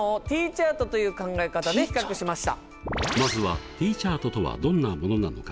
まずはＴチャートとはどんなものなのか